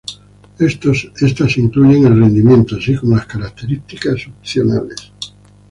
Estas incluyen el rendimiento, así como las características opcionales.